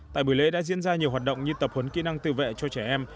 tại buổi lễ đã diễn ra nhiều hoạt động như tập huấn kỹ năng tự vệ cho trẻ em